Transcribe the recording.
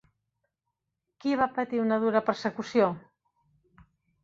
Qui va patir una dura persecució?